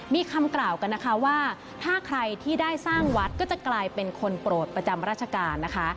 มีคำกล่าวกันนะคะว่าถ้าใครที่ได้สร้างวัดก็จะกลายเป็นคนโปรดประจำราชการนะคะ